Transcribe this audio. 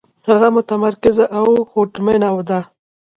هغه متمرکزه او هوډمنه ده.